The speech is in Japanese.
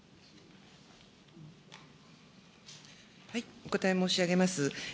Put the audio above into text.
お答え申し上げます。